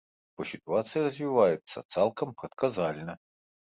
Бо сітуацыя развіваецца цалкам прадказальна.